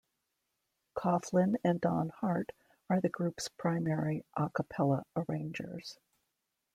Kauflin and Don Hart are the group's primary a cappella arrangers.